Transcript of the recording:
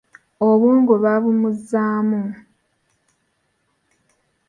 Obwongo babumuuzaamu.